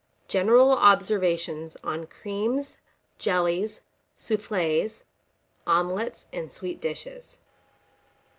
GENERAL OBSERVATIONS ON CREAMS, JELLIES, SOUFFLÉS, OMELETS, & SWEET DISHES.